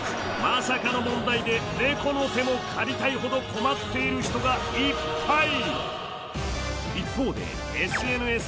まさかの問題で猫の手も借りたいほど困っている人がいっぱい！